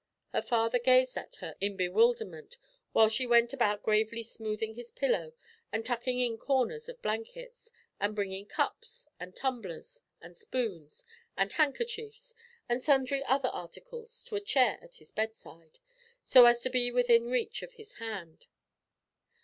Her father gazed at her in bewilderment while she went about gravely smoothing his pillow and tucking in corners of blankets, and bringing cups, and tumblers, and spoons, and handkerchiefs, and sundry other articles, to a chair at his bedside, so as to be within reach of his hand.